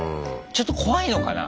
ちょっと怖いのかな。